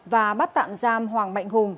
và bắt tạm giam hoàng mạnh hùng